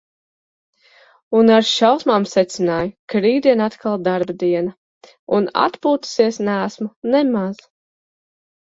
Un ar šausmām secināju, ka rītdien atkal darba diena. Un atpūtusies neesmu nemaz.